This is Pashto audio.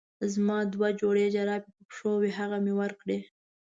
زما دوه جوړه جرابې په پښو وې هغه مې ورکړې.